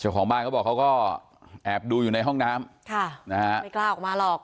ของบ้านเขาบอกเขาก็แอบดูอยู่ในห้องน้ำค่ะนะฮะไม่กล้าออกมาหรอก